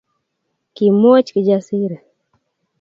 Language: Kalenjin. Kimwoch Kijasiri